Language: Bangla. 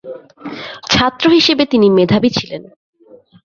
ছাত্র হিসেবে তিনি মেধাবী ছিলেন।